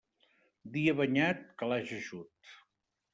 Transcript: Dia banyat, calaix eixut.